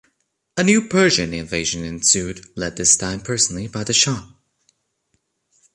A new Persian invasion ensued, led this time personally by the shah.